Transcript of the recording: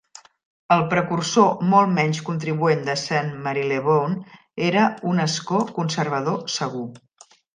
El precursor molt menys contribuent de Saint Marylebone era un escó conservador segur.